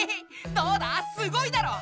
どうだすごいだろう！